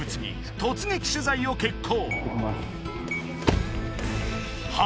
突撃取材を決行！